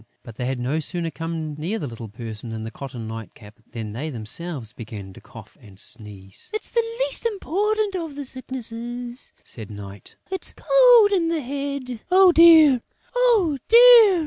But they had no sooner come near the little person in the cotton night cap than they themselves began to cough and sneeze. "It's the least important of the Sicknesses," said Night. "It's Cold in the Head." "Oh, dear, oh, dear!"